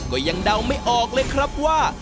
ก็ยังเดาไม่ออกเลยครับว่า